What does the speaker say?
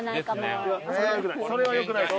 それは良くない。